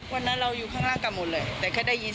มีเสียดัง